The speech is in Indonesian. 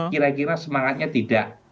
kira kira semangatnya tidak